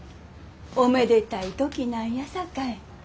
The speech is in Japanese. おめでたい時なんやさかい。